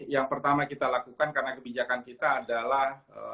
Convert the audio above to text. yang pertama kita lakukan karena kebijakan kita adalah